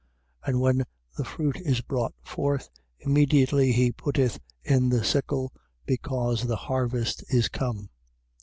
4:29. And when the fruit is brought forth, immediately he putteth in the sickle, because the harvest is come.